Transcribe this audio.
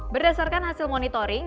berdasarkan hasil monitoring